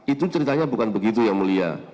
itu ceritanya bukan begitu yang mulia